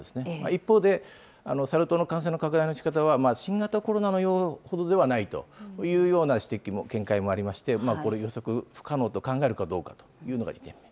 一方で、サル痘の感染の拡大のしかたは、新型コロナほどではないというような指摘も、見解もありまして、これ、予測不可能と考えるかどうかというのが２点。